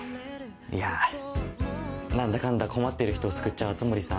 いや何だかんだ困ってる人を救っちゃう熱護さん